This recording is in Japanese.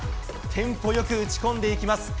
テンポよく打ち込んでいきます。